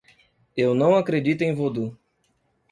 Eu não acredito em vodu.